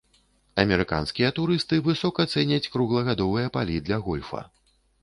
Амерыканскія турысты высока цэняць круглагадовыя палі для гольфа.